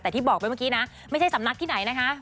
แต่ที่บอกไปเมื่อกี้นะไม่ใช่สำนักที่ไหนนะคะ